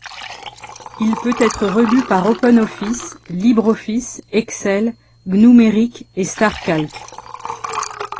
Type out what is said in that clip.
Il peut être relu par OpenOffice, LibreOffice, Excel, Gnumeric et StarCalc.